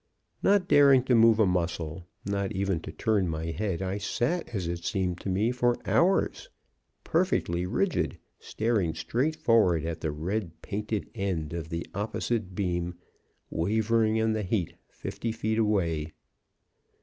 "Not daring to move a muscle, not even to turn my head, I sat, as it seemed to me, for hours, perfectly rigid, staring straight forward at the red painted end of the opposite beam, wavering in the heat fifty feet away.